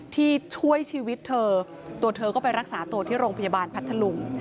ที่ช่วยชีวิตเธอตัวเธอก็ไปรักษาตัวที่โรงพยาบาลพัทธลุง